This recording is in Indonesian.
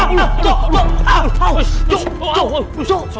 gak sengaja gimana tuh